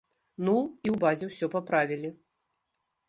Ну, і ў базе ўсё паправілі.